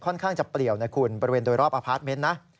ข้างจะเปลี่ยวนะคุณบริเวณโดยรอบอพาร์ทเมนต์นะ